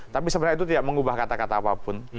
tapi sebenarnya itu tidak mengubah kata kata apapun